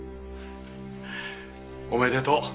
おめでとう。